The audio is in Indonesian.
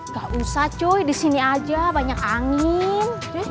gak usah cuy disini aja banyak angin